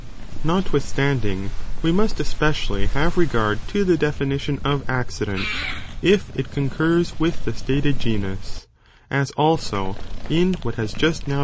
Notwithstanding, we must especially have re δ i ΝᾺ gard to the definition of accident, if it concurs with nition οὗ acci the stated genus, as also in what has just now ae.